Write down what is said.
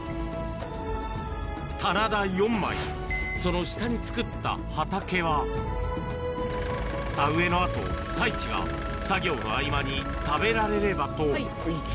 棚田４枚、その下に作った畑は、田植えのあと、太一が作業の合間に食べられればと。